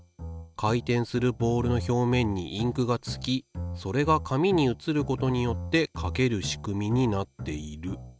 回転するボールの表面にインクがつきそれが紙に移ることによって書ける仕組みになっている」。